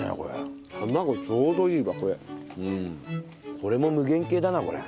これも無限系だなこりゃ。